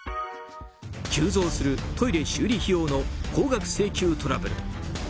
急増するトイレ修理費用の高額請求トラブル。